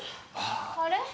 あれ？